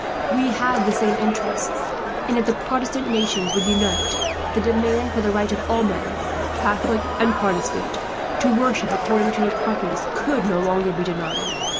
We have the same interests and, if the Protestant nations would unite, the demand for the right of all men, Catholic and Protestant, to worship according to their consciences could no longer be denied.